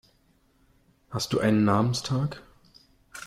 Hast du einen Namenstag?